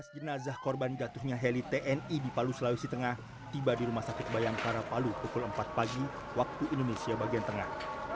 sebelas jenazah korban jatuhnya heli tni di palu sulawesi tengah tiba di rumah sakit bayangkara palu pukul empat pagi waktu indonesia bagian tengah